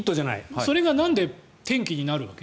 それがなんで転機になるわけ？